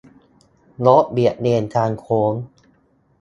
- รถเบียดเลนทางโค้ง